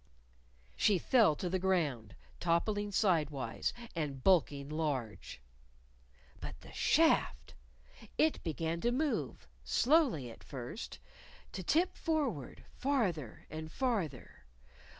She fell to the ground, toppling sidewise, and bulking large. But the shaft! It began to move slowly at first to tip forward, farther and farther.